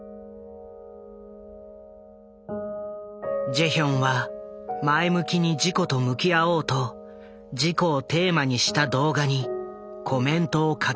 ジェヒョンは前向きに事故と向き合おうと事故をテーマにした動画にコメントを書き込んだ。